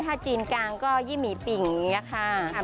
ถ้าจีนกลางก็ยี่หมี่ปิ่งอย่างนี้ค่ะ